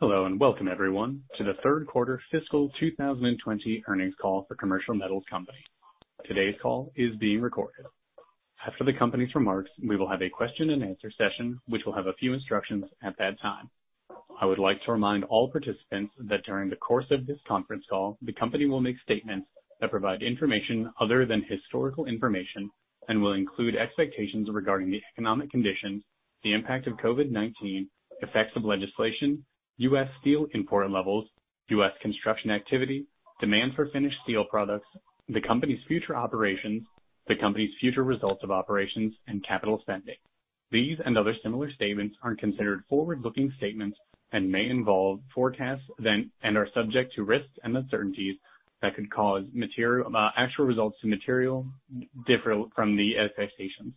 Hello and welcome everyone to the third quarter fiscal 2020 earnings call for Commercial Metals Company. Today's call is being recorded. After the company's remarks, we will have a question and answer session, which will have a few instructions at that time. I would like to remind all participants that during the course of this conference call, the company will make statements that provide information other than historical information and will include expectations regarding the economic conditions, the impact of COVID-19, effects of legislation, U.S. steel import levels, U.S. construction activity, demand for finished steel products, the company's future operations, the company's future results of operations, and capital spending. These and other similar statements are considered forward-looking statements and may involve forecasts, and are subject to risks and uncertainties that could cause actual results to materially differ from the expectations.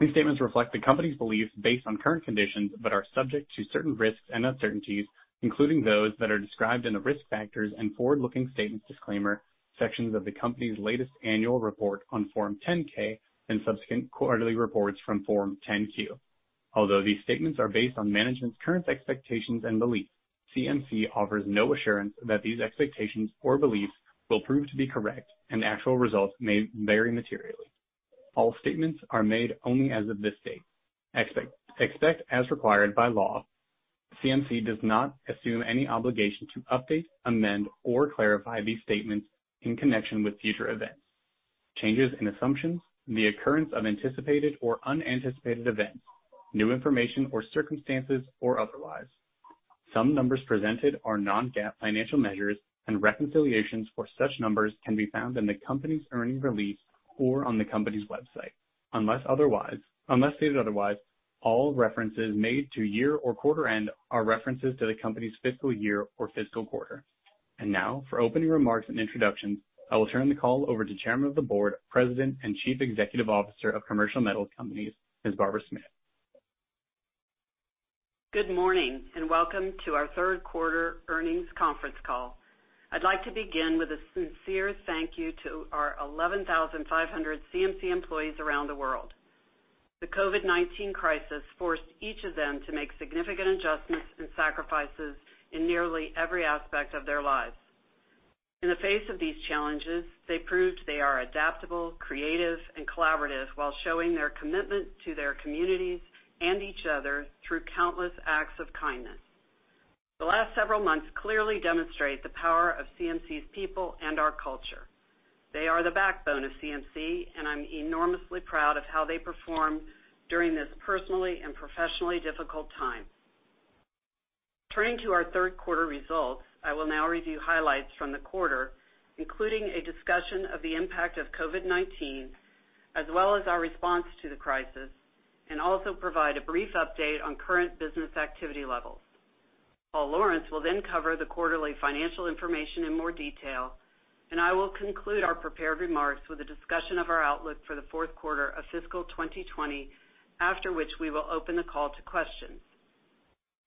These statements reflect the company's beliefs based on current conditions, but are subject to certain risks and uncertainties, including those that are described in the Risk Factors and Forward-Looking Statements Disclaimer sections of the company's latest annual report on Form 10-K and subsequent quarterly reports from Form 10-Q. Although these statements are based on management's current expectations and beliefs, CMC offers no assurance that these expectations or beliefs will prove to be correct, and actual results may vary materially. All statements are made only as of this date. Except as required by law, CMC does not assume any obligation to update, amend or clarify these statements in connection with future events, changes in assumptions, the occurrence of anticipated or unanticipated events, new information or circumstances, or otherwise. Some numbers presented are non-GAAP financial measures, and reconciliations for such numbers can be found in the company's earnings release or on the company's website. Unless stated otherwise, all references made to year or quarter end are references to the company's fiscal year or fiscal quarter. Now for opening remarks and introductions, I will turn the call over to Chairman of the Board, President, and Chief Executive Officer of Commercial Metals Company, Ms. Barbara Smith. Good morning. Welcome to our third quarter earnings conference call. I'd like to begin with a sincere thank you to our 11,500 CMC employees around the world. The COVID-19 crisis forced each of them to make significant adjustments and sacrifices in nearly every aspect of their lives. In the face of these challenges, they proved they are adaptable, creative, and collaborative while showing their commitment to their communities and each other through countless acts of kindness. The last several months clearly demonstrate the power of CMC's people and our culture. They are the backbone of CMC, and I'm enormously proud of how they performed during this personally and professionally difficult time. Turning to our third quarter results, I will now review highlights from the quarter, including a discussion of the impact of COVID-19, as well as our response to the crisis, and also provide a brief update on current business activity levels. Paul Lawrence will then cover the quarterly financial information in more detail, and I will conclude our prepared remarks with a discussion of our outlook for the fourth quarter of fiscal 2020, after which we will open the call to questions.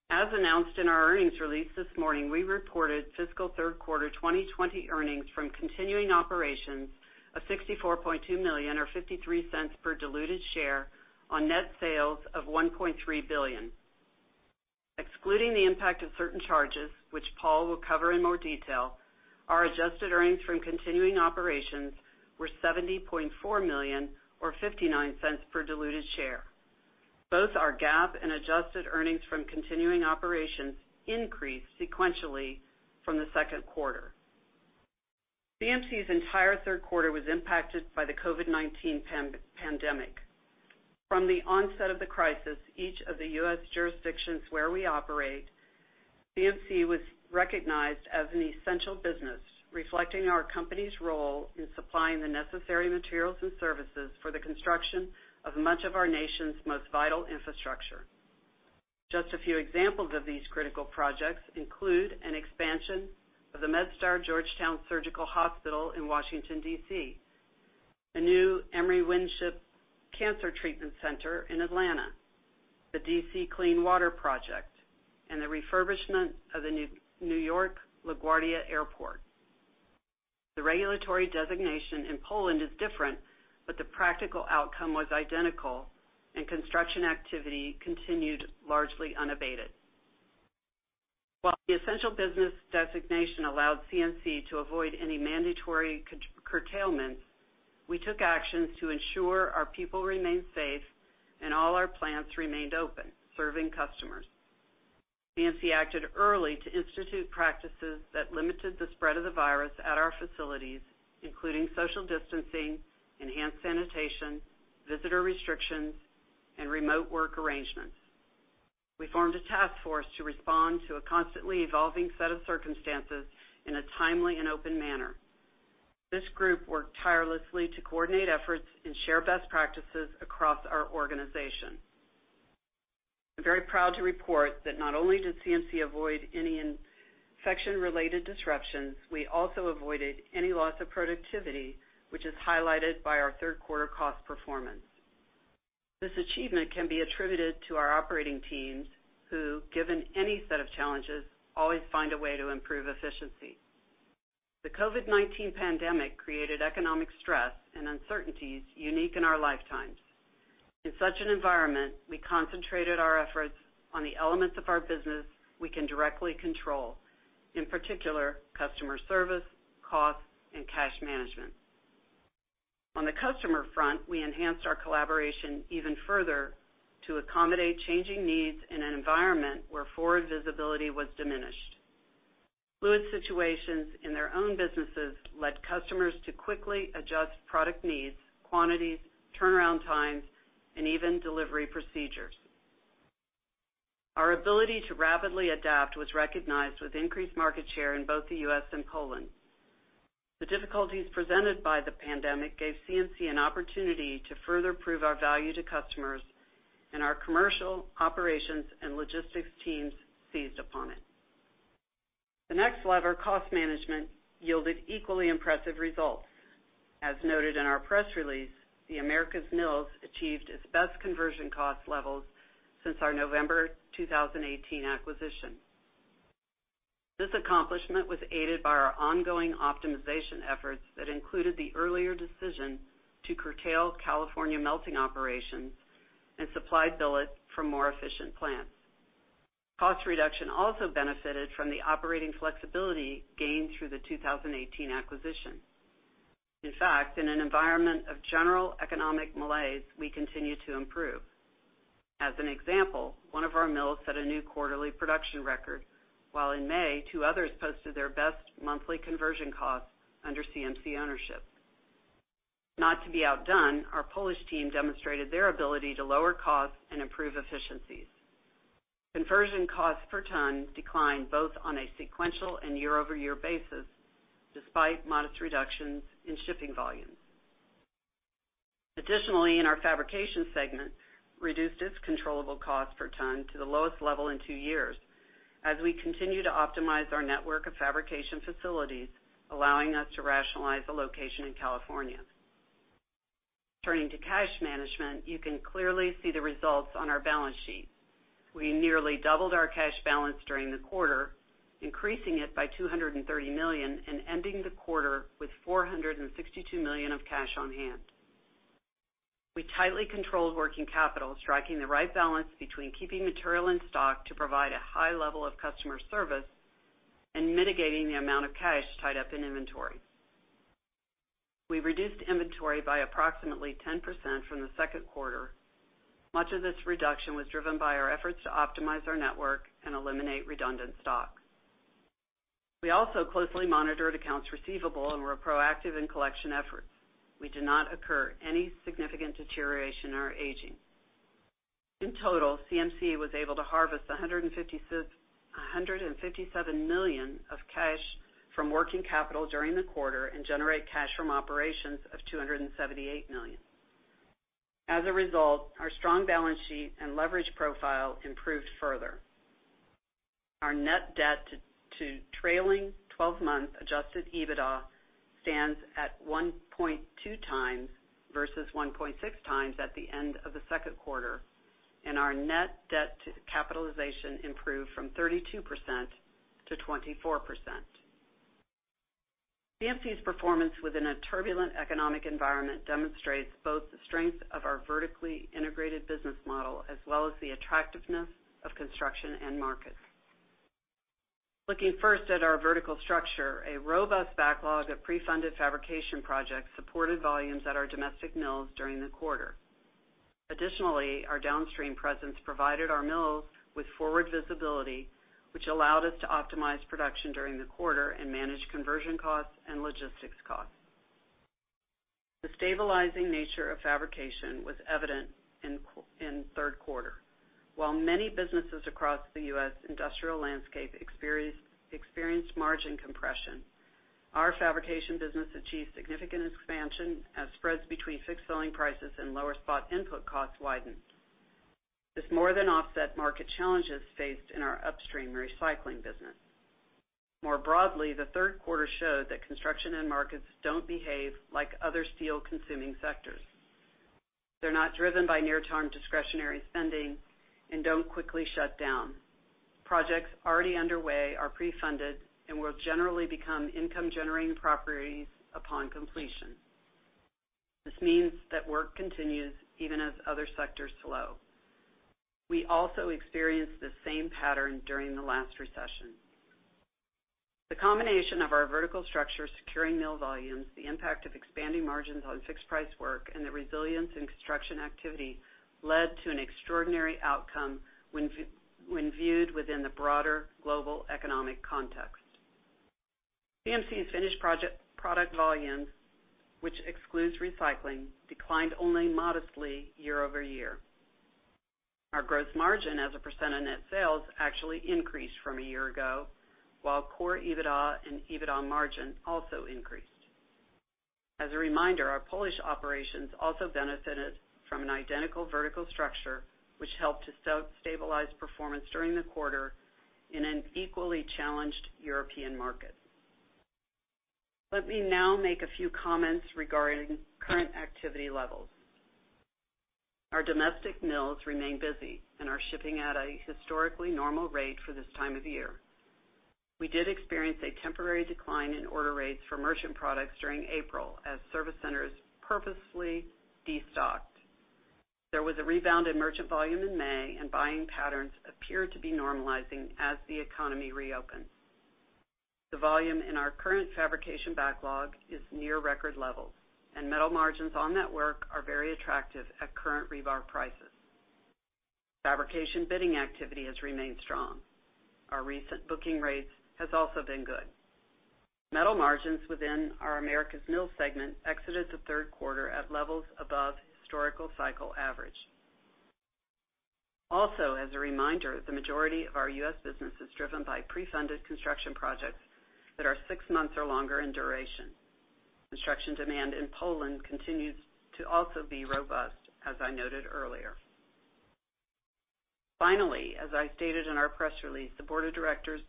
As announced in our earnings release this morning, we reported fiscal third quarter 2020 earnings from continuing operations of $64.2 million, or $0.53 per diluted share on net sales of $1.3 billion. Excluding the impact of certain charges, which Paul will cover in more detail, our adjusted earnings from continuing operations were $70.4 million or $0.59 per diluted share. Both our GAAP and adjusted earnings from continuing operations increased sequentially from the second quarter. CMC's entire third quarter was impacted by the COVID-19 pandemic. From the onset of the crisis, each of the U.S. jurisdictions where we operate, CMC was recognized as an essential business, reflecting our company's role in supplying the necessary materials and services for the construction of much of our nation's most vital infrastructure. Just a few examples of these critical projects include an expansion of the MedStar Georgetown University Hospital in Washington, D.C., a new Winship Cancer Institute of Emory University in Atlanta, the DC Clean Rivers Project, and the refurbishment of the New York LaGuardia Airport. The regulatory designation in Poland is different, but the practical outcome was identical, and construction activity continued largely unabated. While the essential business designation allowed CMC to avoid any mandatory curtailments, we took actions to ensure our people remained safe and all our plants remained open, serving customers. CMC acted early to institute practices that limited the spread of the virus at our facilities, including social distancing, enhanced sanitation, visitor restrictions, and remote work arrangements. We formed a task force to respond to a constantly evolving set of circumstances in a timely and open manner. This group worked tirelessly to coordinate efforts and share best practices across our organization. I'm very proud to report that not only did CMC avoid any infection-related disruptions, we also avoided any loss of productivity, which is highlighted by our third quarter cost performance. This achievement can be attributed to our operating teams who, given any set of challenges, always find a way to improve efficiency. The COVID-19 pandemic created economic stress and uncertainties unique in our lifetimes. In such an environment, we concentrated our efforts on the elements of our business we can directly control. In particular, customer service, cost, and cash management. On the customer front, we enhanced our collaboration even further to accommodate changing needs in an environment where forward visibility was diminished. Fluid situations in their own businesses led customers to quickly adjust product needs, quantities, turnaround times, and even delivery procedures. Our ability to rapidly adapt was recognized with increased market share in both the U.S. and Poland. The difficulties presented by the pandemic gave CMC an opportunity to further prove our value to customers, and our commercial, operations, and logistics teams seized upon it. The next lever, cost management, yielded equally impressive results. As noted in our press release, the Americas Mills achieved its best conversion cost levels since our November 2018 acquisition. This accomplishment was aided by our ongoing optimization efforts that included the earlier decision to curtail California melting operations and supply billet from more efficient plants. Cost reduction also benefited from the operating flexibility gained through the 2018 acquisition. In fact, in an environment of general economic malaise, we continue to improve. As an example, one of our mills set a new quarterly production record, while in May, two others posted their best monthly conversion costs under CMC ownership. Not to be outdone, our Polish team demonstrated their ability to lower costs and improve efficiencies. Conversion costs per ton declined both on a sequential and year-over-year basis, despite modest reductions in shipping volumes. In our fabrication segment, reduced its controllable cost per ton to the lowest level in two years, as we continue to optimize our network of fabrication facilities, allowing us to rationalize the location in California. Turning to cash management, you can clearly see the results on our balance sheet. We nearly doubled our cash balance during the quarter, increasing it by $230 million and ending the quarter with $462 million of cash on hand. We tightly controlled working capital, striking the right balance between keeping material in stock to provide a high level of customer service and mitigating the amount of cash tied up in inventory. We reduced inventory by approximately 10% from the second quarter. Much of this reduction was driven by our efforts to optimize our network and eliminate redundant stock. We also closely monitored accounts receivable and were proactive in collection efforts. We did not incur any significant deterioration or aging. In total, CMC was able to harvest $157 million of cash from working capital during the quarter and generate cash from operations of $278 million. As a result, our strong balance sheet and leverage profile improved further. Our net debt to trailing 12-month adjusted EBITDA stands at 1.2x versus 1.6x at the end of the second quarter, and our net debt to capitalization improved from 32% to 24%. CMC's performance within a turbulent economic environment demonstrates both the strength of our vertically integrated business model, as well as the attractiveness of construction end markets. Looking first at our vertical structure, a robust backlog of pre-funded fabrication projects supported volumes at our domestic mills during the quarter. Additionally, our downstream presence provided our mills with forward visibility, which allowed us to optimize production during the quarter and manage conversion costs and logistics costs. The stabilizing nature of fabrication was evident in the third quarter. While many businesses across the U.S. industrial landscape experienced margin compression, our fabrication business achieved significant expansion as spreads between fixed selling prices and lower spot input costs widened. This more than offset market challenges faced in our upstream recycling business. More broadly, the third quarter showed that construction end markets don't behave like other steel-consuming sectors. They're not driven by near-term discretionary spending and don't quickly shut down. Projects already underway are pre-funded and will generally become income-generating properties upon completion. This means that work continues even as other sectors slow. We also experienced the same pattern during the last recession. The combination of our vertical structure securing mill volumes, the impact of expanding margins on fixed-price work, and the resilience in construction activity led to an extraordinary outcome when viewed within the broader global economic context. CMC's finished product volumes, which excludes recycling, declined only modestly year-over-year. Our gross margin as a % of net sales actually increased from a year ago, while core EBITDA and EBITDA margin also increased. As a reminder, our Polish operations also benefited from an identical vertical structure, which helped to stabilize performance during the quarter in an equally challenged European market. Let me now make a few comments regarding current activity levels. Our domestic mills remain busy and are shipping at a historically normal rate for this time of year. We did experience a temporary decline in order rates for merchant products during April as service centers purposefully destocked. There was a rebound in merchant volume in May, and buying patterns appear to be normalizing as the economy reopens. The volume in our current fabrication backlog is near record levels, and metal margins on that work are very attractive at current rebar prices. Fabrication bidding activity has remained strong. Our recent booking rates has also been good. Metal margins within our Americas Mills segment exited the third quarter at levels above historical cycle average. Also, as a reminder, the majority of our U.S. business is driven by pre-funded construction projects that are six months or longer in duration. Construction demand in Poland continues to also be robust, as I noted earlier. Finally, as stated in our press release, the board of directors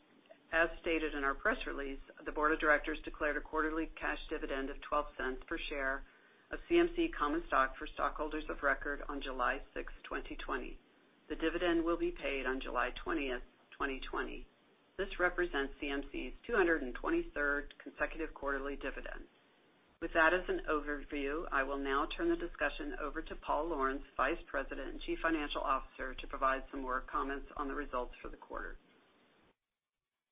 declared a quarterly cash dividend of $0.12 per share of CMC common stock for stockholders of record on July 6th, 2020. The dividend will be paid on July 20th, 2020. This represents CMC's 223rd consecutive quarterly dividend. With that as an overview, I will now turn the discussion over to Paul Lawrence, Vice President and Chief Financial Officer, to provide some more comments on the results for the quarter.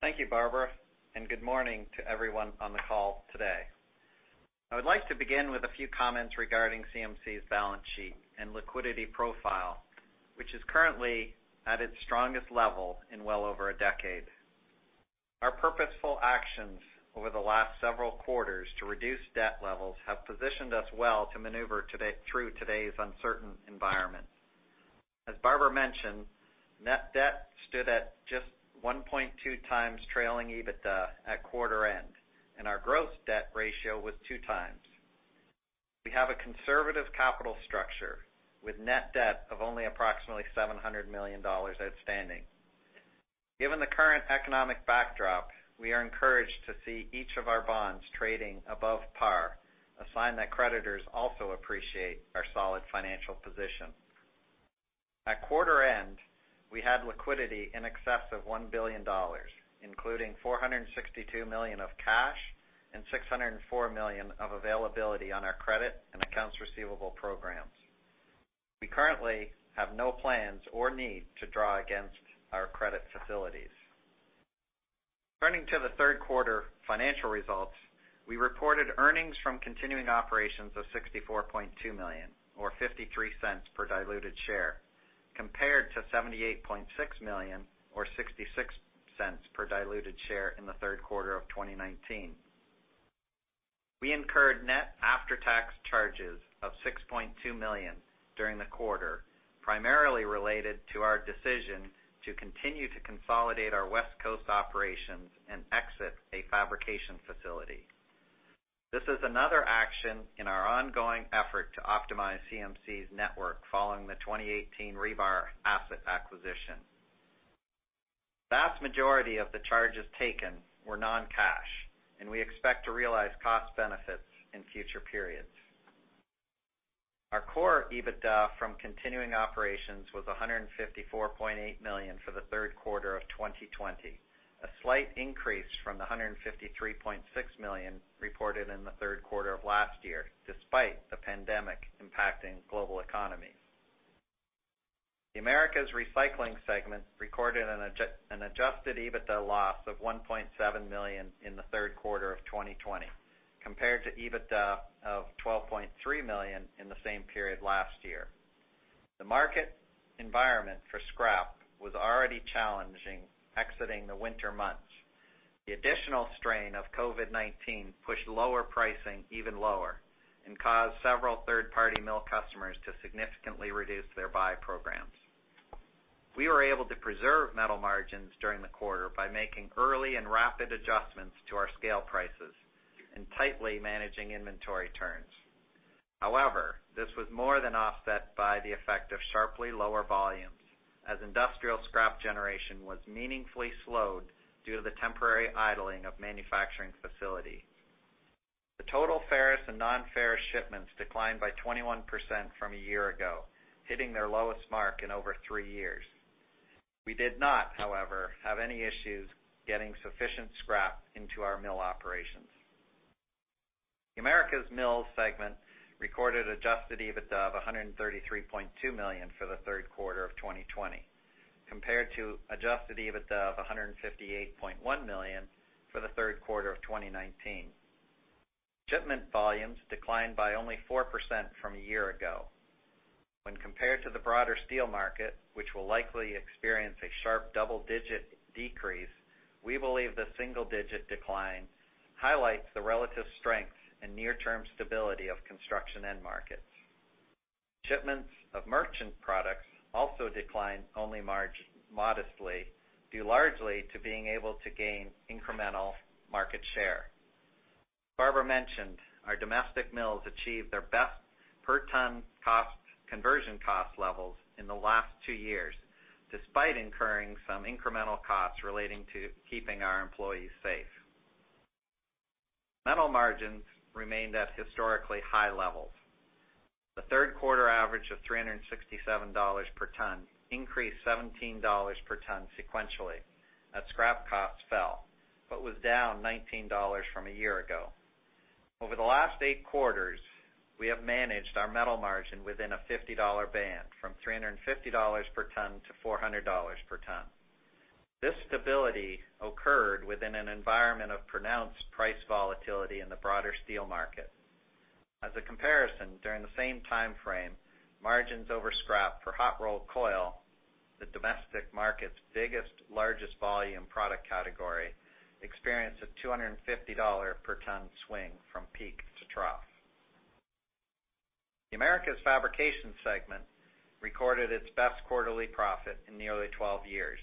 Thank you, Barbara, and good morning to everyone on the call today. I would like to begin with a few comments regarding CMC's balance sheet and liquidity profile, which is currently at its strongest level in well over a decade. Our purposeful actions over the last several quarters to reduce debt levels have positioned us well to maneuver through today's uncertain environment. As Barbara mentioned, net debt stood at just 1.2x trailing EBITDA at quarter end, and our gross debt ratio was 2x. We have a conservative capital structure with net debt of only approximately $700 million outstanding. Given the current economic backdrop, we are encouraged to see each of our bonds trading above par, a sign that creditors also appreciate our solid financial position. At quarter end, we had liquidity in excess of $1 billion, including $462 million of cash and $604 million of availability on our credit and accounts receivable programs. We currently have no plans or need to draw against our credit facilities. Turning to the third quarter financial results, we reported earnings from continuing operations of $64.2 million, or $0.53 per diluted share, compared to $78.6 million or $0.66 per diluted share in the third quarter of 2019. We incurred net after-tax charges of $6.2 million during the quarter, primarily related to our decision to continue to consolidate our West Coast operations and exit a fabrication facility. This is another action in our ongoing effort to optimize CMC's network following the 2018 rebar asset acquisition. Vast majority of the charges taken were non-cash, and we expect to realize cost benefits in future periods. Our core EBITDA from continuing operations was $154.8 million for the third quarter of 2020, a slight increase from the $153.6 million reported in the third quarter of last year, despite the pandemic impacting global economy. The Americas Recycling segment recorded an adjusted EBITDA loss of $1.7 million in the third quarter of 2020 compared to EBITDA of $12.3 million in the same period last year. The market environment for scrap was already challenging exiting the winter months. The additional strain of COVID-19 pushed lower pricing even lower and caused several third-party mill customers to significantly reduce their buy programs. We were able to preserve metal margins during the quarter by making early and rapid adjustments to our scale prices and tightly managing inventory turns. This was more than offset by the effect of sharply lower volumes as industrial scrap generation was meaningfully slowed due to the temporary idling of manufacturing facility. The total ferrous and non-ferrous shipments declined by 21% from a year ago, hitting their lowest mark in over three years. We did not, however, have any issues getting sufficient scrap into our mill operations. The Americas Mills segment recorded adjusted EBITDA of $133.2 million for the third quarter of 2020, compared to adjusted EBITDA of $158.1 million for the third quarter of 2019. Shipment volumes declined by only 4% from a year ago. When compared to the broader steel market, which will likely experience a sharp double-digit decrease, we believe the single-digit decline highlights the relative strength and near-term stability of construction end markets. Shipments of merchant products also declined only modestly, due largely to being able to gain incremental market share. Barbara mentioned our domestic mills achieved their best per ton conversion cost levels in the last two years, despite incurring some incremental costs relating to keeping our employees safe. Metal margins remained at historically high levels. The third quarter average of $367 per ton increased $17 per ton sequentially as scrap costs fell, but was down $19 from a year ago. Over the last eight quarters, we have managed our metal margin within a $50 band, from $350 per ton to $400 per ton. This stability occurred within an environment of pronounced price volatility in the broader steel market. As a comparison, during the same time frame, margins over scrap for hot rolled coil, the domestic market's biggest, largest volume product category, experienced a $250 per ton swing from peak to trough. The Americas Fabrication segment recorded its best quarterly profit in nearly 12 years.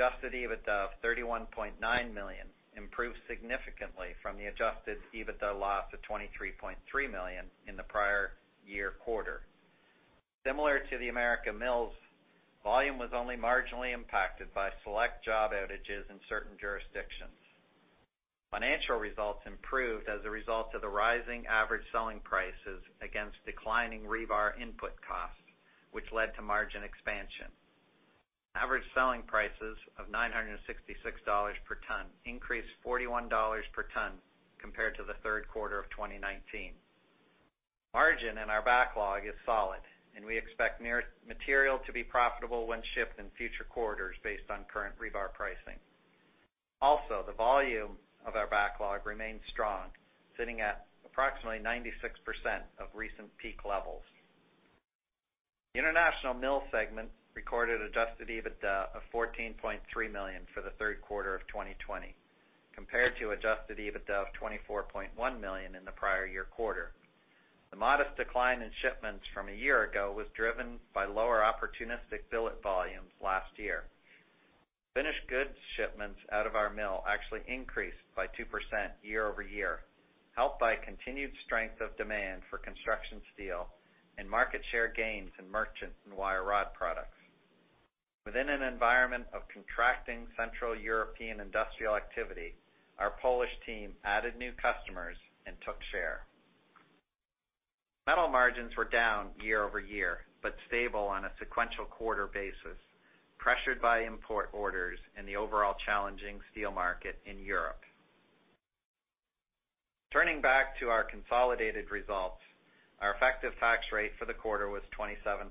Adjusted EBITDA of $31.9 million improved significantly from the adjusted EBITDA loss of $23.3 million in the prior year quarter. Similar to the Americas Mills, volume was only marginally impacted by select job outages in certain jurisdictions. Financial results improved as a result of the rising average selling prices against declining rebar input costs, which led to margin expansion. Average selling prices of $966 per ton increased $41 per ton compared to the third quarter of 2019. Margin in our backlog is solid. We expect material to be profitable when shipped in future quarters, based on current rebar pricing. The volume of our backlog remains strong, sitting at approximately 96% of recent peak levels. The International Mill segment recorded adjusted EBITDA of $14.3 million for the third quarter of 2020, compared to adjusted EBITDA of $24.1 million in the prior year quarter. The modest decline in shipments from a year ago was driven by lower opportunistic billet volumes last year. Finished goods shipments out of our mill actually increased by 2% year-over-year, helped by continued strength of demand for construction steel and market share gains in merchant and wire rod products. Within an environment of contracting Central European industrial activity, our Polish team added new customers and took share. Metal margins were down year-over-year, but stable on a sequential quarter basis, pressured by import orders and the overall challenging steel market in Europe. Turning back to our consolidated results, our effective tax rate for the quarter was 27%,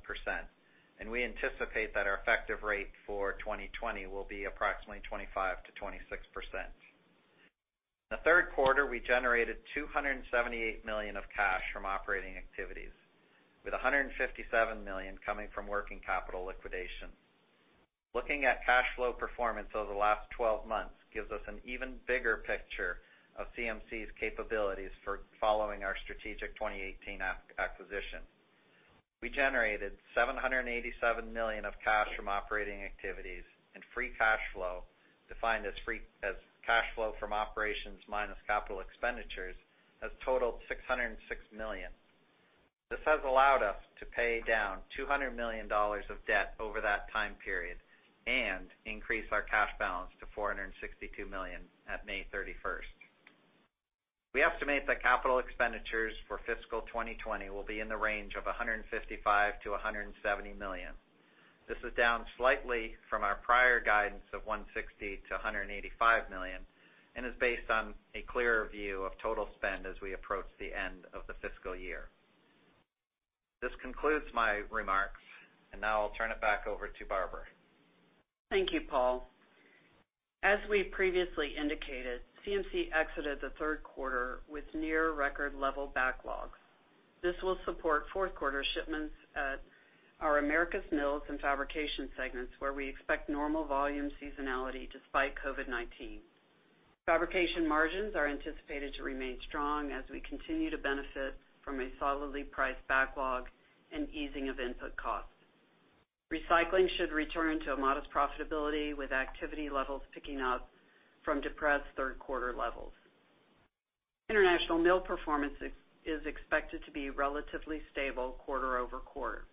and we anticipate that our effective rate for 2020 will be approximately 25%-26%. In the third quarter, we generated $278 million of cash from operating activities, with $157 million coming from working capital liquidation. Looking at cash flow performance over the last 12 months gives us an even bigger picture of CMC's capabilities for following our strategic 2018 acquisition. We generated $787 million of cash from operating activities, and free cash flow, defined as cash flow from operations minus capital expenditures, has totaled $606 million. This has allowed us to pay down $200 million of debt over that time period and increase our cash balance to $462 million at May 31st. We estimate that capital expenditures for fiscal 2020 will be in the range of $155 million-$170 million. This is down slightly from our prior guidance of $160 million to $185 million, and is based on a clearer view of total spend as we approach the end of the fiscal year. This concludes my remarks, and now I'll turn it back over to Barbara. Thank you, Paul. As we previously indicated, CMC exited the third quarter with near record level backlogs. This will support fourth quarter shipments at our Americas Mills and Fabrication segments, where we expect normal volume seasonality despite COVID-19. Fabrication margins are anticipated to remain strong as we continue to benefit from a solidly priced backlog and easing of input costs. Recycling should return to a modest profitability, with activity levels picking up from depressed third quarter levels. International Mill performance is expected to be relatively stable quarter-over-quarter.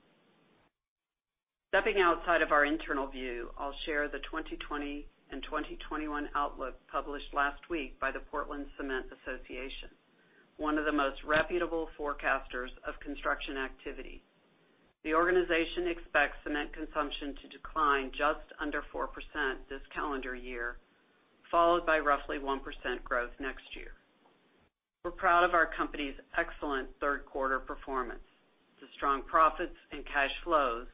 Stepping outside of our internal view, I'll share the 2020 and 2021 outlook published last week by the Portland Cement Association, one of the most reputable forecasters of construction activity. The organization expects cement consumption to decline just under 4% this calendar year, followed by roughly 1% growth next year. We're proud of our company's excellent third quarter performance. The strong profits and cash flows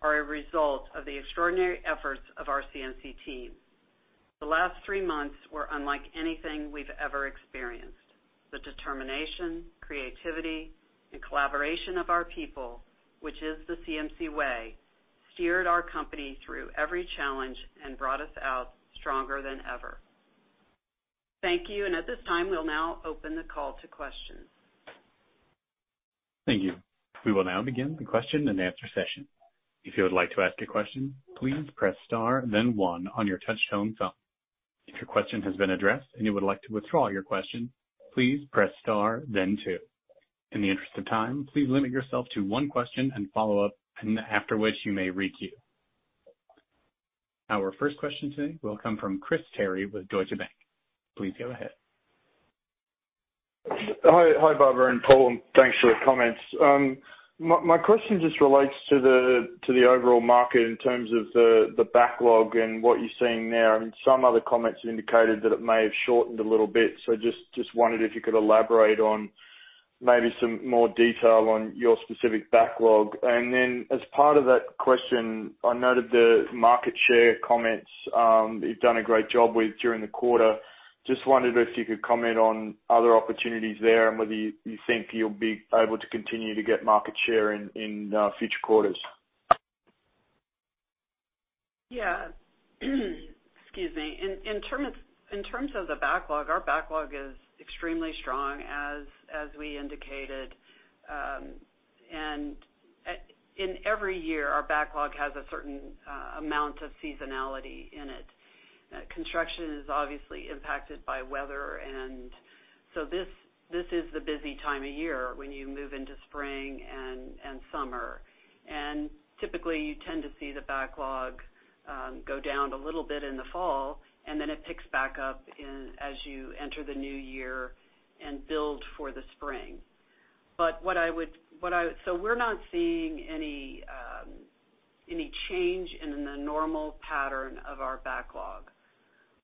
are a result of the extraordinary efforts of our CMC team. The last three months were unlike anything we've ever experienced. The determination, creativity, and collaboration of our people, which is the CMC way, steered our company through every challenge and brought us out stronger than ever. Thank you. At this time, we'll now open the call to questions. Thank you. We will now begin the question and answer session. If you would like to ask a question, please press star then one on your touchtone phone. If your question has been addressed and you would like to withdraw your question, please press star then two. In the interest of time, please limit yourself to one question and follow-up, after which you may re-queue. Our first question today will come from Christopher Terry with Deutsche Bank. Please go ahead. Hi, Barbara and Paul, and thanks for the comments. My question just relates to the overall market in terms of the backlog and what you're seeing now. Some other comments indicated that it may have shortened a little bit. Just wondered if you could elaborate on maybe some more detail on your specific backlog. As part of that question, I noted the market share comments. You've done a great job with during the quarter. Just wondered if you could comment on other opportunities there and whether you think you'll be able to continue to get market share in future quarters. Yeah. Excuse me. In terms of the backlog, our backlog is extremely strong as we indicated. In every year, our backlog has a certain amount of seasonality in it. Construction is obviously impacted by weather, this is the busy time of year when you move into spring and summer. Typically, you tend to see the backlog go down a little bit in the fall, then it picks back up as you enter the new year and build for the spring. We're not seeing any change in the normal pattern of our backlog.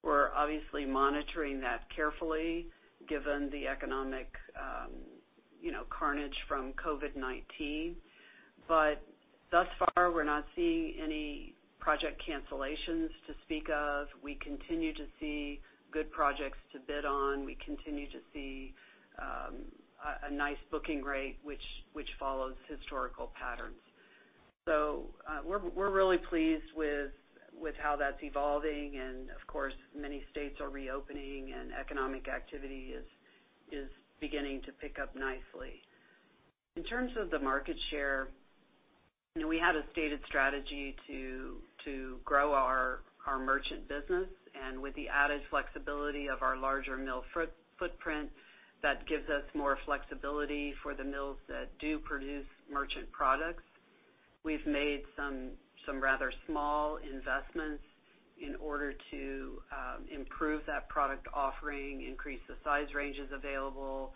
We're obviously monitoring that carefully given the economic carnage from COVID-19. Thus far, we're not seeing any project cancellations to speak of. We continue to see good projects to bid on. We continue to see a nice booking rate, which follows historical patterns. We're really pleased with how that's evolving, and of course, many states are reopening, and economic activity is beginning to pick up nicely. In terms of the market share, we had a stated strategy to grow our merchant business. With the added flexibility of our larger mill footprint, that gives us more flexibility for the mills that do produce merchant products. We've made some rather small investments in order to improve that product offering, increase the size ranges available,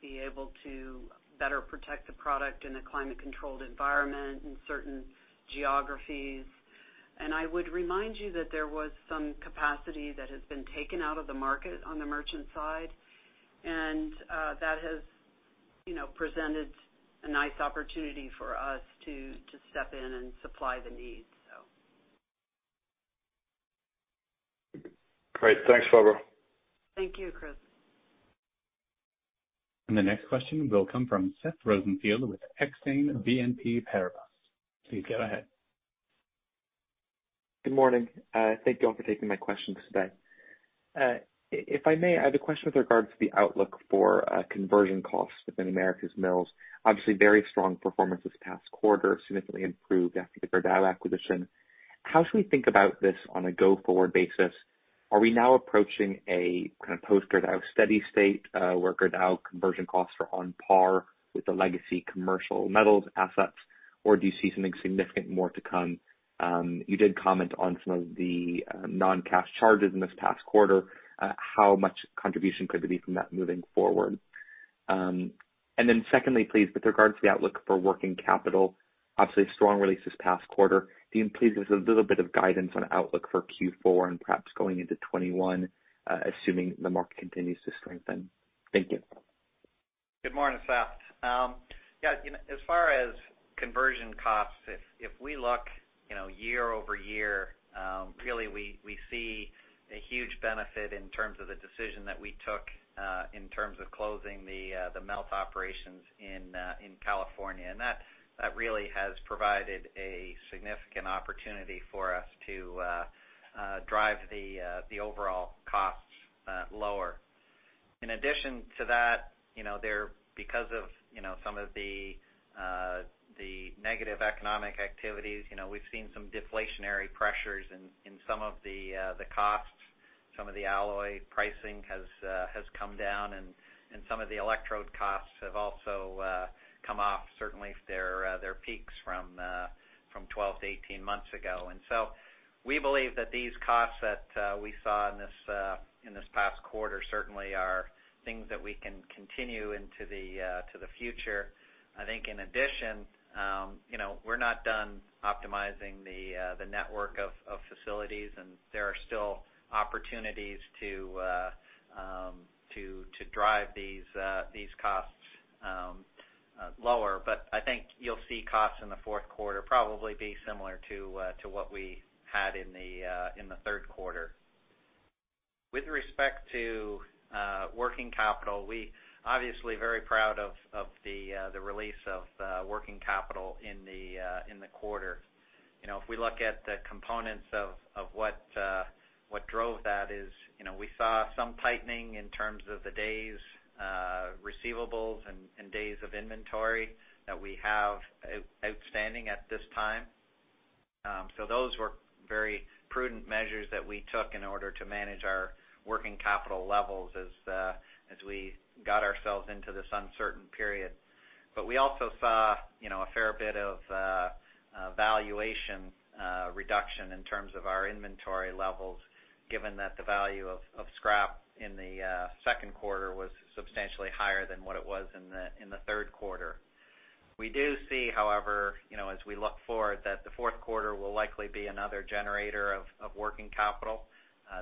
be able to better protect the product in a climate-controlled environment in certain geographies. I would remind you that there was some capacity that has been taken out of the market on the merchant side, and that has presented a nice opportunity for us to step in and supply the need. Great. Thanks, Barbara. Thank you, Chris. The next question will come from Seth Rosenfeld with Exane BNP Paribas. Please go ahead. Good morning. Thank you all for taking my questions today. If I may, I have a question with regards to the outlook for conversion costs within Americas Mills. Obviously, very strong performance this past quarter, significantly improved after the Gerdau acquisition. How should we think about this on a go-forward basis? Are we now approaching a kind of post-Gerdau steady state, where Gerdau conversion costs are on par with the legacy Commercial Metals assets, or do you see something significant more to come? You did comment on some of the non-cash charges in this past quarter. How much contribution could there be from that moving forward? Secondly, please, with regards to the outlook for working capital, obviously a strong release this past quarter. Can you please give us a little bit of guidance on outlook for Q4 and perhaps going into 2021, assuming the market continues to strengthen? Thank you. Good morning, Seth. Yeah, as far as conversion costs, if we look year-over-year, really, we see a huge benefit in terms of the decision that we took in terms of closing the melt operations in California. That really has provided a significant opportunity for us to drive the overall costs lower. In addition to that, because of some of the negative economic activities, we've seen some deflationary pressures in some of the costs. Some of the alloy pricing has come down, and some of the electrode costs have also come off, certainly their peaks from 12 to 18 months ago. We believe that these costs that we saw in this past quarter certainly are things that we can continue into the future. I think in addition, we're not done optimizing the network of facilities, and there are still opportunities to drive these costs lower. I think you'll see costs in the fourth quarter probably be similar to what we had in the third quarter. With respect to working capital, we obviously very proud of the release of working capital in the quarter. If we look at the components of what drove that is, we saw some tightening in terms of the days receivables and days of inventory that we have outstanding at this time. Those were very prudent measures that we took in order to manage our working capital levels as we got ourselves into this uncertain period. We also saw a fair bit of valuation reduction in terms of our inventory levels, given that the value of scrap in the second quarter was substantially higher than what it was in the third quarter. We do see, however, as we look forward, that the fourth quarter will likely be another generator of working capital.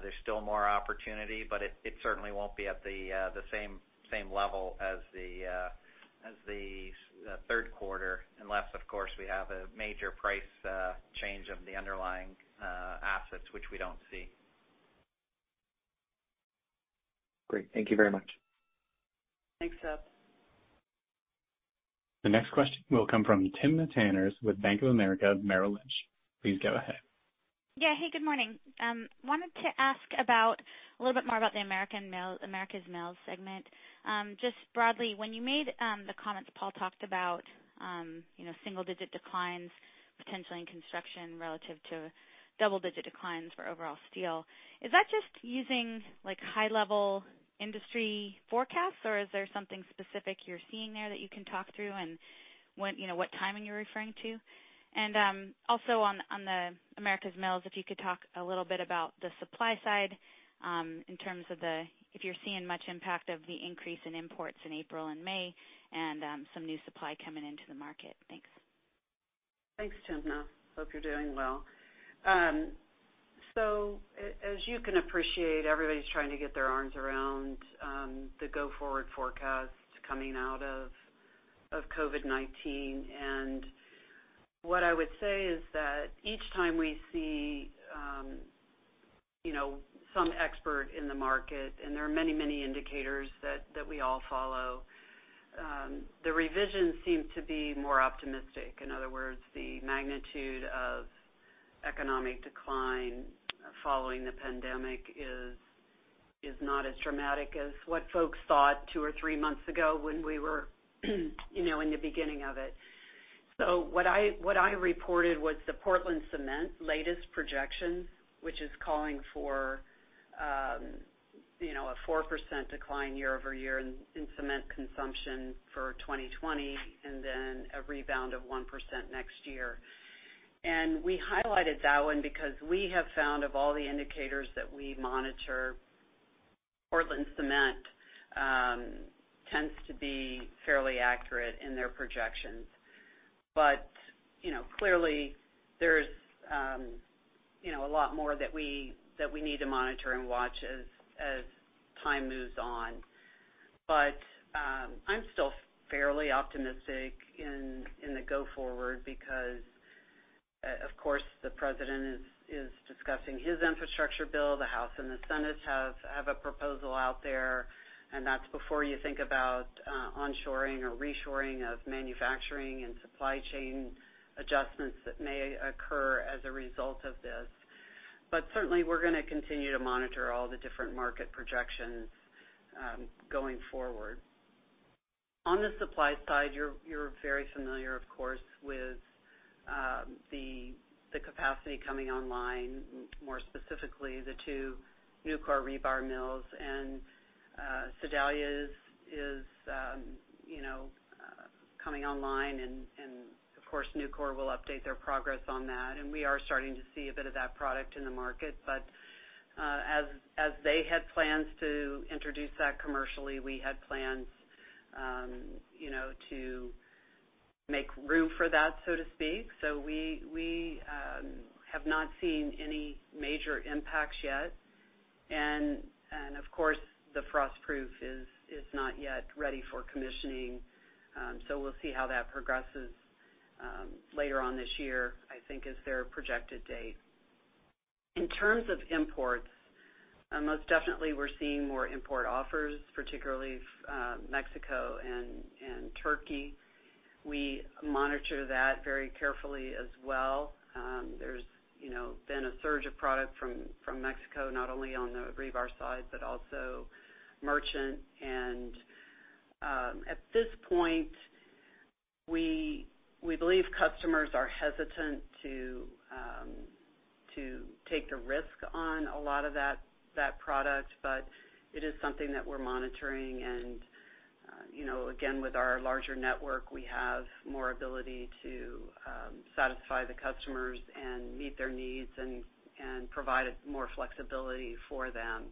There's still more opportunity, but it certainly won't be at the same level as the third quarter, unless, of course, we have a major price change of the underlying assets, which we don't see. Great. Thank you very much. Thanks, Seth. The next question will come from Timna Tanners with Bank of America, Merrill Lynch. Please go ahead. Yeah. Hey, good morning. I wanted to ask a little bit more about the Americas Mills segment. Just broadly, when you made the comments that Paul talked about, single-digit declines potentially in construction relative to double-digit declines for overall steel. Is that just using high-level industry forecasts, is there something specific you're seeing there that you can talk through and what timing you're referring to? Also on the Americas Mills, if you could talk a little bit about the supply side in terms of if you're seeing much impact of the increase in imports in April and May and some new supply coming into the market. Thanks. Thanks, Timna. Hope you're doing well. As you can appreciate, everybody's trying to get their arms around the go-forward forecast coming out of COVID-19. What I would say is that each time we see some expert in the market, and there are many indicators that we all follow, the revisions seem to be more optimistic. In other words, the magnitude of economic decline following the pandemic is not as dramatic as what folks thought two or three months ago when we were in the beginning of it. What I reported was the Portland Cement latest projection, which is calling for a 4% decline year-over-year in cement consumption for 2020, then a rebound of 1% next year. We highlighted that one because we have found of all the indicators that we monitor, Portland Cement tends to be fairly accurate in their projections. Clearly, there's a lot more that we need to monitor and watch as time moves on. I'm still fairly optimistic in the go forward because, of course, the president is discussing his infrastructure bill. The House and the Senate have a proposal out there, and that's before you think about onshoring or reshoring of manufacturing and supply chain adjustments that may occur as a result of this. Certainly, we're going to continue to monitor all the different market projections going forward. On the supply side, you're very familiar, of course, with the capacity coming online, more specifically, the two Nucor rebar mills. Sedalia is coming online, and of course, Nucor will update their progress on that. We are starting to see a bit of that product in the market. As they had plans to introduce that commercially, we had plans to make room for that, so to speak. We have not seen any major impacts yet. Of course, the Frostproof is not yet ready for commissioning. We'll see how that progresses later on this year, I think is their projected date. In terms of imports, most definitely we're seeing more import offers, particularly Mexico and Turkey. We monitor that very carefully as well. There's been a surge of product from Mexico, not only on the rebar side, but also merchant. At this point, we believe customers are hesitant to take the risk on a lot of that product, but it is something that we're monitoring. Again, with our larger network, we have more ability to satisfy the customers and meet their needs and provide more flexibility for them.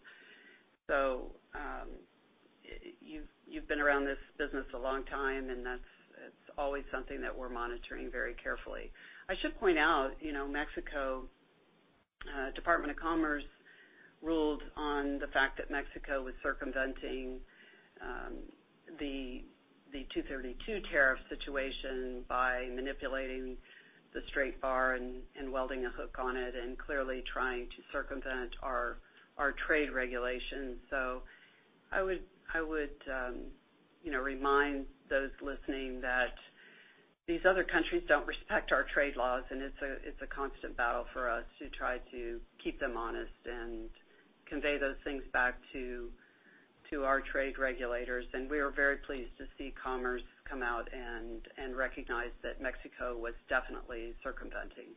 You've been around this business a long time, and that's always something that we're monitoring very carefully. I should point out, Department of Commerce ruled on the fact that Mexico was circumventing the 232 tariff situation by manipulating the straight bar and welding a hook on it and clearly trying to circumvent our trade regulations. I would remind those listening that these other countries don't respect our trade laws, and it's a constant battle for us to try to keep them honest and convey those things back to our trade regulators. We are very pleased to see Commerce come out and recognize that Mexico was definitely circumventing.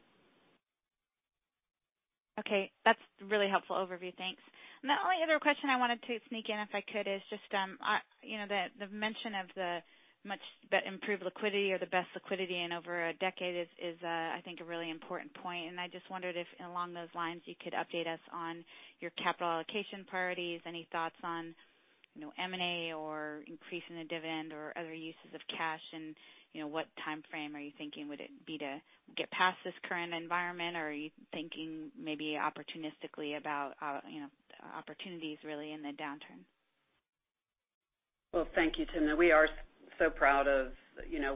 Okay. That's a really helpful overview. Thanks. The only other question I wanted to sneak in, if I could, is just the mention of the much improved liquidity or the best liquidity in over a decade is, I think, a really important point. I just wondered if along those lines, you could update us on your capital allocation priorities, any thoughts on M&A or increasing the dividend or other uses of cash, and what timeframe are you thinking would it be to get past this current environment, or are you thinking maybe opportunistically about opportunities really in the downturn? Thank you, Timna. We are so proud of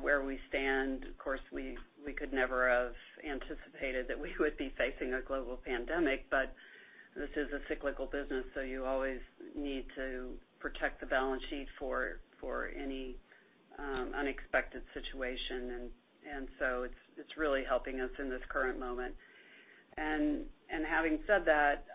where we stand. Of course, we could never have anticipated that we would be facing a global pandemic. This is a cyclical business, so you always need to protect the balance sheet for any unexpected situation. It's really helping us in this current moment. Having said that,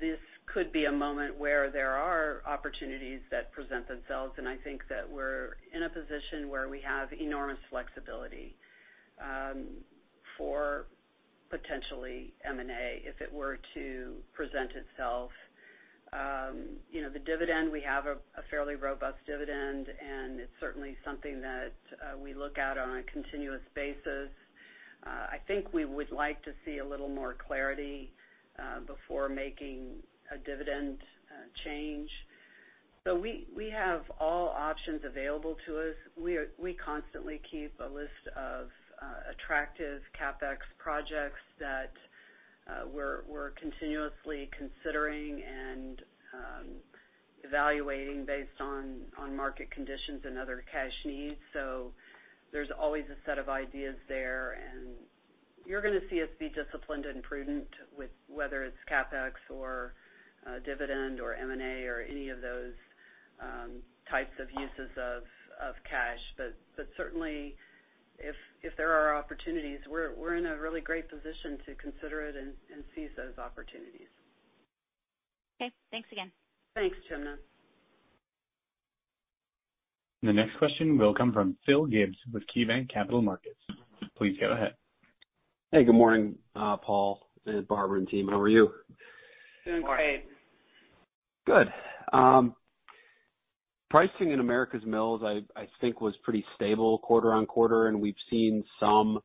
this could be a moment where there are opportunities that present themselves, and I think that we're in a position where we have enormous flexibility for potentially M&A, if it were to present itself. The dividend, we have a fairly robust dividend, and it's certainly something that we look at on a continuous basis. I think we would like to see a little more clarity before making a dividend change. We have all options available to us. We constantly keep a list of attractive CapEx projects that we're continuously considering and evaluating based on market conditions and other cash needs. There's always a set of ideas there, and you're going to see us be disciplined and prudent with whether it's CapEx or dividend or M&A or any of those types of uses of cash. Certainly, if there are opportunities, we're in a really great position to consider it and seize those opportunities. Okay. Thanks again. Thanks, Timna. The next question will come from Phil Gibbs with KeyBanc Capital Markets. Please go ahead. Hey, good morning, Paul and Barbara and team. How are you? Doing great. Good. Pricing in Americas Mills, I think, was pretty stable quarter-on-quarter, and we've seen some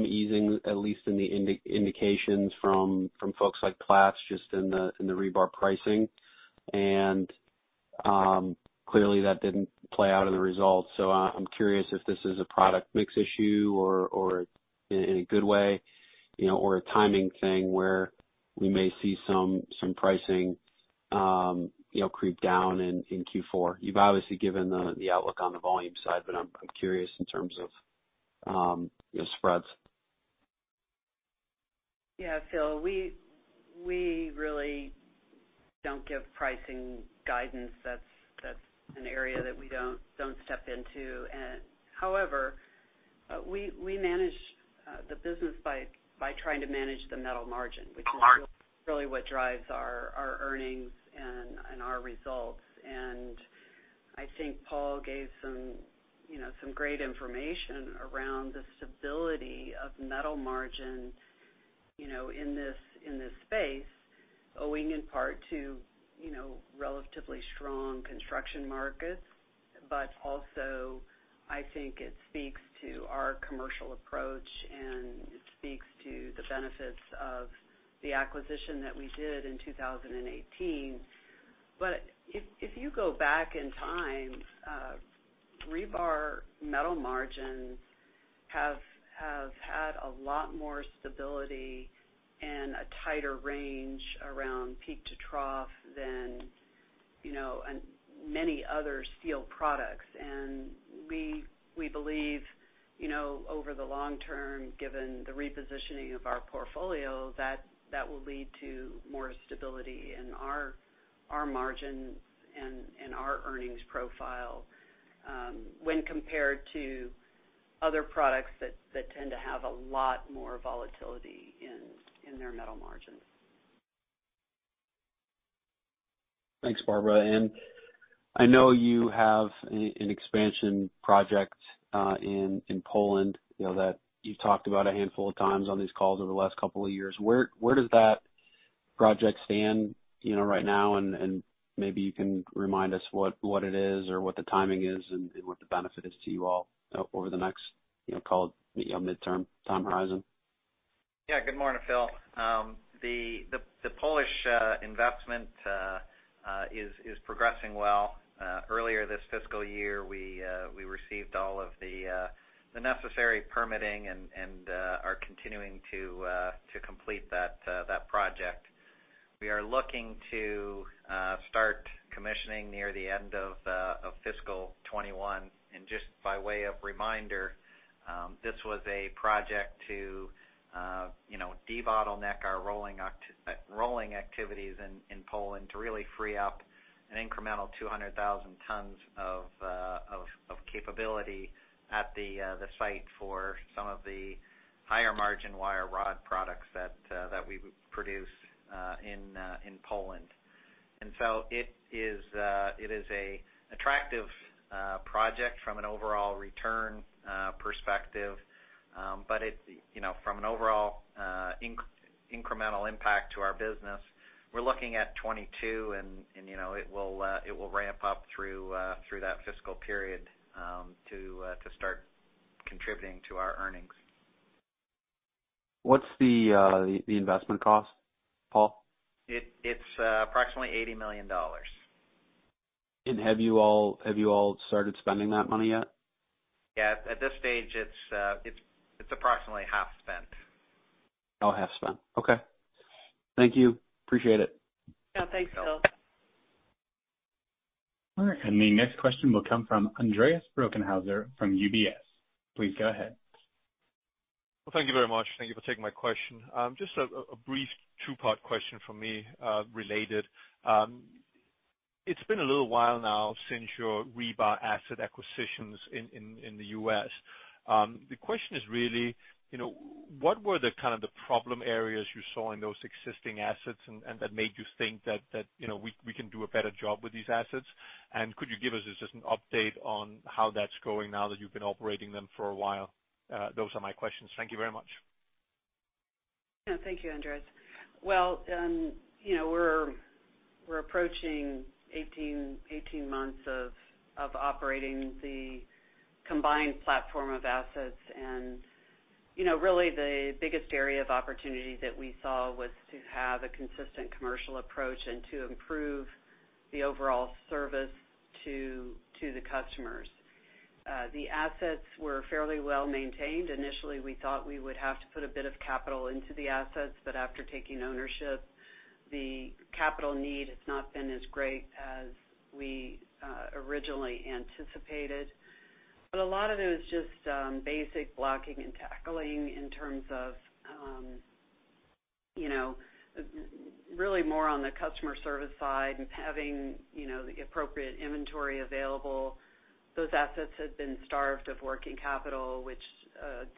easing, at least in the indications from folks like Platts just in the rebar pricing. Clearly, that didn't play out in the results. I'm curious if this is a product mix issue or in a good way or a timing thing where we may see some pricing creep down in Q4. You've obviously given the outlook on the volume side, but I'm curious in terms of spreads. Yeah. Phil, we really don't give pricing guidance. That's an area that we don't step into. However, we manage the business by trying to manage the metal margin. All right. which is really what drives our earnings and our results. I think Paul gave some great information around the stability of metal margin in this space, owing in part to relatively strong construction markets. Also, I think it speaks to our commercial approach, and it speaks to the benefits of the acquisition that we did in 2018. If you go back in time, rebar metal margins have had a lot more stability and a tighter range around peak to trough than many other steel products. We believe over the long term, given the repositioning of our portfolio, that will lead to more stability in our margins and our earnings profile when compared to other products that tend to have a lot more volatility in their metal margins. Thanks, Barbara. I know you have an expansion project in Poland that you've talked about a handful of times on these calls over the last couple of years. Where does that project stand right now? Maybe you can remind us what it is or what the timing is and what the benefit is to you all over the next call midterm time horizon. Good morning, Phil. The Polish investment is progressing well. Earlier this fiscal year, we received all of the necessary permitting and are continuing to complete that project. We are looking to start commissioning near the end of fiscal 2021. Just by way of reminder, this was a project to debottleneck our rolling activities in Poland to really free up an incremental 200,000 tons of capability at the site for some of the higher-margin wire rod products that we produce in Poland. It is an attractive project from an overall return perspective. From an overall incremental impact to our business, we're looking at 2022, and it will ramp up through that fiscal period to start contributing to our earnings. What's the investment cost, Paul? It's approximately $80 million. Have you all started spending that money yet? Yeah. At this stage, it's approximately half spent. Oh, half spent. Okay. Thank you. Appreciate it. Yeah. Thanks, Phil. All right. The next question will come from Andreas Bokkenheuser from UBS. Please go ahead. Well, thank you very much. Thank you for taking my question. Just a brief two-part question from me, related. It's been a little while now since your rebar asset acquisitions in the U.S. The question is really, what were the kind of the problem areas you saw in those existing assets and that made you think that we can do a better job with these assets? Could you give us just an update on how that's going now that you've been operating them for a while? Those are my questions. Thank you very much. Yeah. Thank you, Andreas. Well, we're approaching 18 months of operating the combined platform of assets. Really the biggest area of opportunity that we saw was to have a consistent commercial approach and to improve the overall service to the customers. The assets were fairly well-maintained. Initially, we thought we would have to put a bit of capital into the assets, but after taking ownership, the capital need has not been as great as we originally anticipated. A lot of it was just basic blocking and tackling in terms of really more on the customer service side and having the appropriate inventory available. Those assets had been starved of working capital, which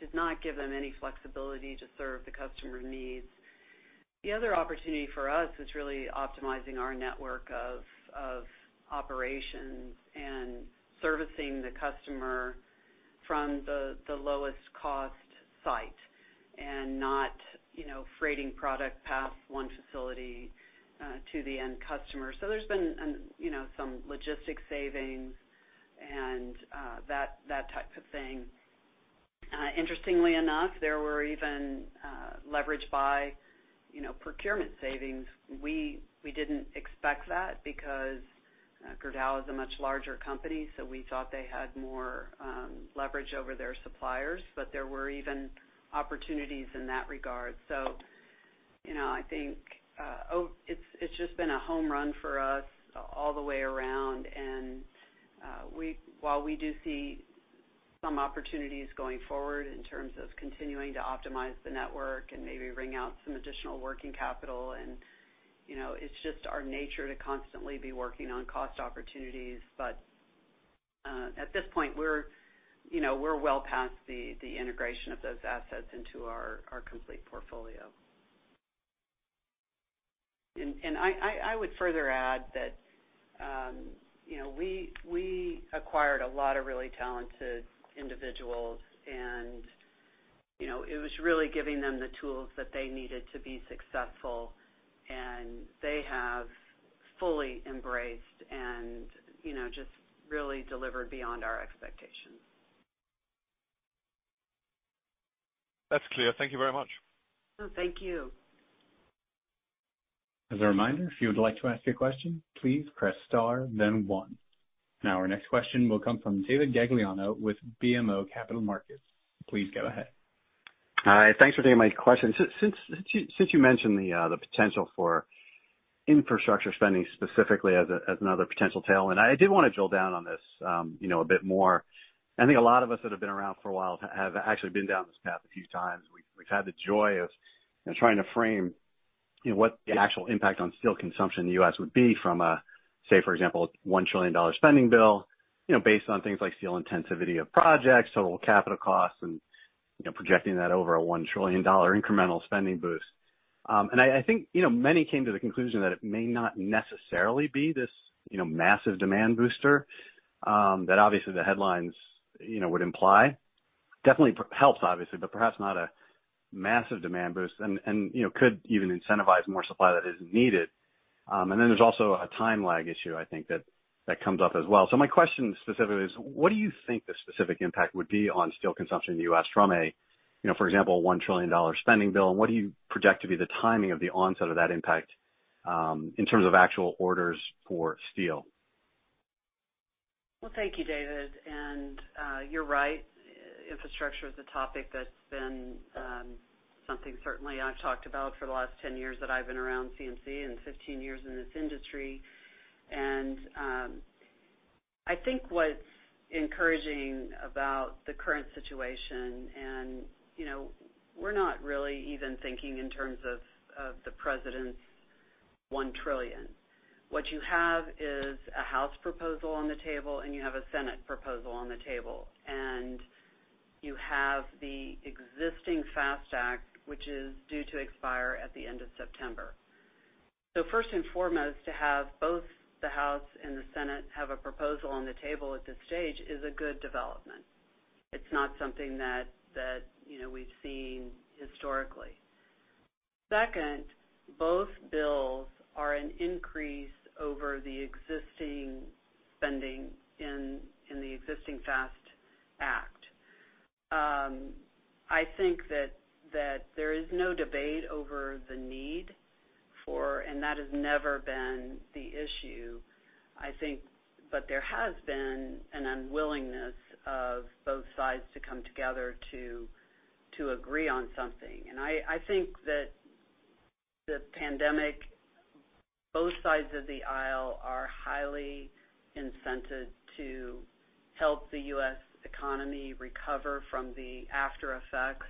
did not give them any flexibility to serve the customer needs. The other opportunity for us is really optimizing our network of operations and servicing the customer from the lowest cost site and not freighting product past one facility to the end customer. There's been some logistic savings and that type of thing. Interestingly enough, there were even leverage by procurement savings. We didn't expect that because Gerdau is a much larger company, so we thought they had more leverage over their suppliers, but there were even opportunities in that regard. I think it's just been a home run for us all the way around, and while we do see some opportunities going forward in terms of continuing to optimize the network and maybe wring out some additional working capital, and it's just our nature to constantly be working on cost opportunities. At this point we're well past the integration of those assets into our complete portfolio. I would further add that we acquired a lot of really talented individuals and it was really giving them the tools that they needed to be successful, and they have fully embraced and just really delivered beyond our expectations. That's clear. Thank you very much. No, thank you. As a reminder, if you would like to ask a question, please press star then one. Our next question will come from David Gagliano with BMO Capital Markets. Please go ahead. Hi. Thanks for taking my question. Since you mentioned the potential for infrastructure spending specifically as another potential tailwind, I did want to drill down on this a bit more. I think a lot of us that have been around for a while have actually been down this path a few times. We've had the joy of trying to frame what the actual impact on steel consumption in the U.S. would be from a, say, for example, a $1 trillion spending bill, based on things like steel intensivity of projects, total capital costs, and projecting that over a $1 trillion incremental spending boost. And I think many came to the conclusion that it may not necessarily be this massive demand booster that obviously the headlines would imply. Definitely helps, obviously, but perhaps not a massive demand boost. And could even incentivize more supply that isn't needed. There's also a time lag issue, I think that comes up as well. My question specifically is, what do you think the specific impact would be on steel consumption in the U.S. from a, for example, a $1 trillion spending bill? What do you project to be the timing of the onset of that impact, in terms of actual orders for steel? Well, thank you, David. You're right, infrastructure is a topic that's been something certainly I've talked about for the last 10 years that I've been around CMC and 15 years in this industry. I think what's encouraging about the current situation, and we're not really even thinking in terms of the president's $1 trillion. What you have is a House proposal on the table, and you have a Senate proposal on the table. You have the existing FAST Act, which is due to expire at the end of September. First and foremost, to have both the House and the Senate have a proposal on the table at this stage is a good development. It's not something that we've seen historically. Second, both bills are an increase over the existing spending in the existing FAST Act. I think that there is no debate over the need for, and that has never been the issue. I think, there has been an unwillingness of both sides to come together to agree on something. I think that the pandemic, both sides of the aisle are highly incented to help the U.S. economy recover from the after effects,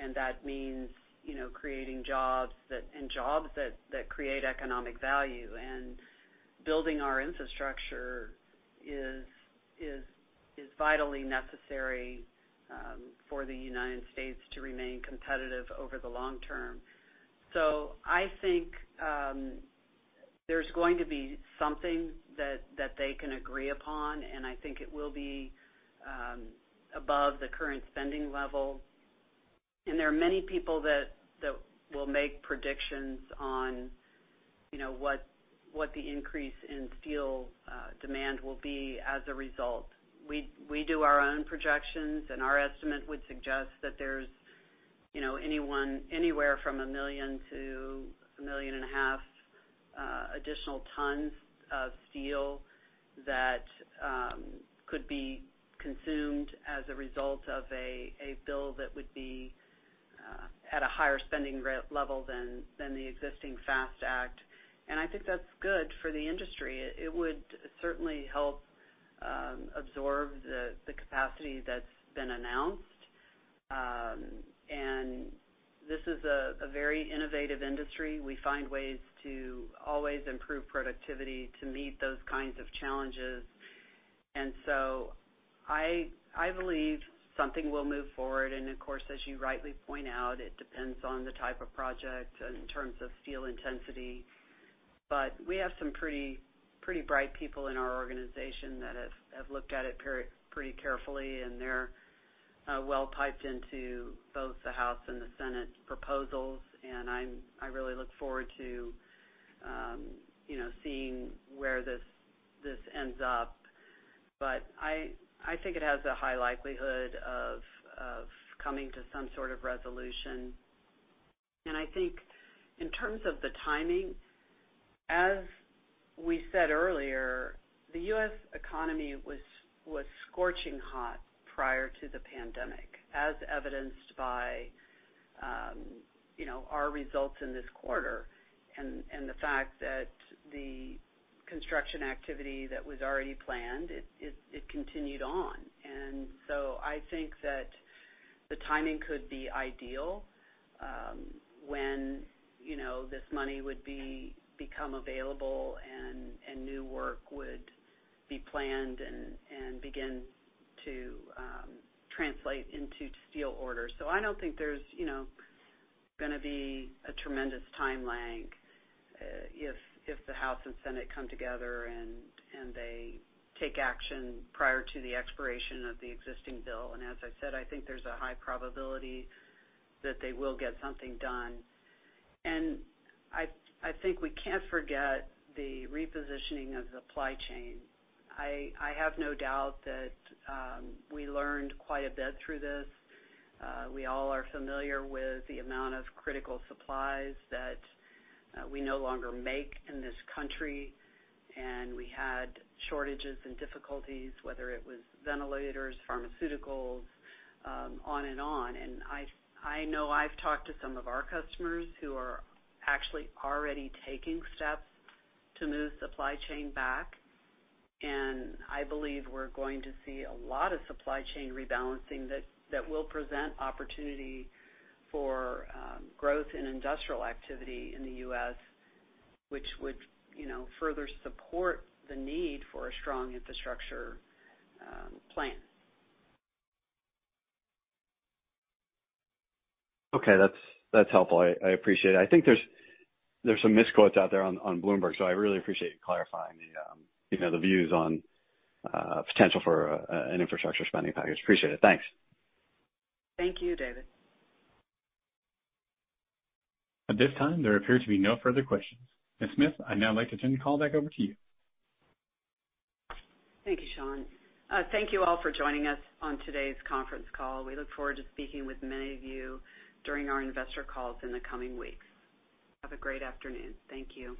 and that means creating jobs, and jobs that create economic value. Building our infrastructure is vitally necessary for the United States to remain competitive over the long term. I think there's going to be something that they can agree upon, and I think it will be above the current spending level. There are many people that will make predictions on what the increase in steel demand will be as a result. We do our own projections, our estimate would suggest that there's anywhere from 1 million to 1.5 million additional tons of steel that could be consumed as a result of a bill that would be at a higher spending level than the existing FAST Act. I think that's good for the industry. It would certainly help absorb the capacity that's been announced. This is a very innovative industry. We find ways to always improve productivity to meet those kinds of challenges. I believe something will move forward. Of course, as you rightly point out, it depends on the type of project in terms of steel intensity. We have some pretty bright people in our organization that have looked at it pretty carefully, and they're well piped into both the House and the Senate proposals. I really look forward to seeing where this ends up. I think it has a high likelihood of coming to some sort of resolution. I think in terms of the timing, as we said earlier, the U.S. economy was scorching hot prior to the pandemic, as evidenced by our results in this quarter and the fact that the construction activity that was already planned, it continued on. I think that the timing could be ideal, when this money would become available and new work would be planned and begin to translate into steel orders. I don't think there's gonna be a tremendous time lag if the House and Senate come together and they take action prior to the expiration of the existing bill. As I said, I think there's a high probability that they will get something done. I think we can't forget the repositioning of the supply chain. I have no doubt that we learned quite a bit through this. We all are familiar with the amount of critical supplies that we no longer make in this U.S., and we had shortages and difficulties, whether it was ventilators, pharmaceuticals on and on. I know I've talked to some of our customers who are actually already taking steps to move supply chain back. I believe we're going to see a lot of supply chain rebalancing that will present opportunity for growth in industrial activity in the U.S., which would further support the need for a strong infrastructure plan. That's helpful. I appreciate it. I think there's some misquotes out there on Bloomberg, so I really appreciate you clarifying the views on potential for an infrastructure spending package. Appreciate it. Thanks. Thank you, David. At this time, there appear to be no further questions. Ms. Smith, I'd now like to turn the call back over to you. Thank you, Sean. Thank you all for joining us on today's conference call. We look forward to speaking with many of you during our investor calls in the coming weeks. Have a great afternoon. Thank you.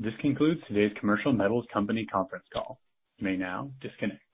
This concludes today's Commercial Metals Company conference call. You may now disconnect.